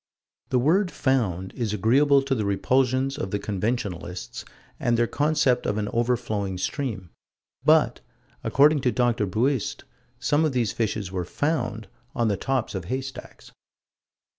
The word "found" is agreeable to the repulsions of the conventionalists and their concept of an overflowing stream but, according to Dr. Buist, some of these fishes were "found" on the tops of haystacks.